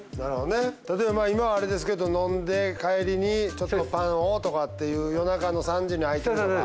例えば今はあれですけど飲んで帰りにちょっとパンをとかっていう夜中の３時に開いているとか。